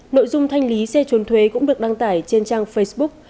nội dung thanh lý xe trốn thuế cũng được đăng tải trên trang facebook